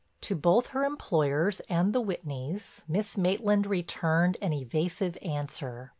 To both her employers and the Whitneys Miss Maitland returned an evasive answer.